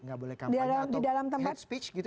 gak boleh kampanye atau head speech gitu